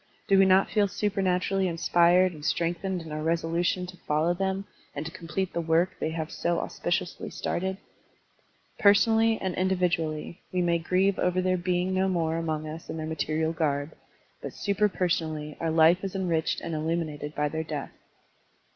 Do we not feel supematurally inspired and strengthened in our resolution to follow them and t6 complete the work they have so auspiciously started? Personally and indi Digitized by Google A MEMORIAL ADDRESS 213 vidually, we may grieve over their being no more among us in their material garb, but super personally our life is enriched and illtiminated by their death.